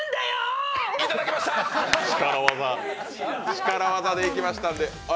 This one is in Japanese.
力技でいきましたんで。